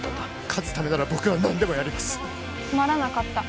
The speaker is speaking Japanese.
勝つためなら僕は何でもやりますつまらなかった